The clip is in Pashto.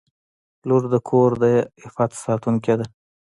• لور د کور د عفت ساتونکې ده.